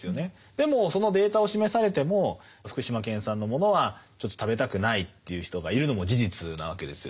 でもそのデータを示されても福島県産のものはちょっと食べたくないという人がいるのも事実なわけですよね。